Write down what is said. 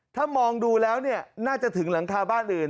ถ้ามองดูแล้วเนี่ยน่าจะถึงหลังคาบ้านอื่น